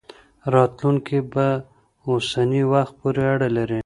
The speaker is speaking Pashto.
راتلونکی په اوسني وخت پورې اړه لري.